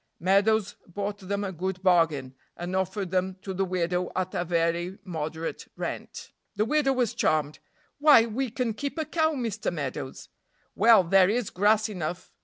Meadows bought them a good bargain, and offered them to the widow at a very moderate rent. The widow was charmed. "Why, we can keep a cow, Mr. Meadows." "Well, there is grass enough."